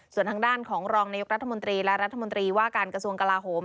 ส่วนทางด้านของรองนายกรัฐมนตรีและรัฐมนตรีว่าการกระทรวงกลาโหม